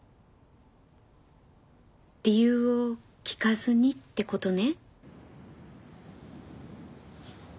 理由を聞かずにって事ね？